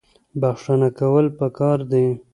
بخښنه کول پکار دي